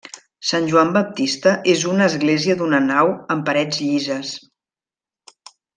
Sant Joan Baptista és una església d'una nau amb parets llises.